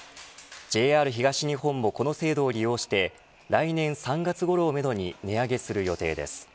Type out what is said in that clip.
ＪＲ東日本もこの制度を利用して来年３月ごろをめどに値上げする予定です。